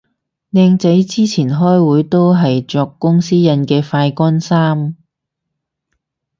靚仔之前開會都係着公司印嘅快乾衫